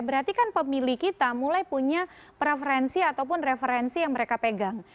berarti kan pemilih kita mulai punya preferensi ataupun referensi yang mereka pegang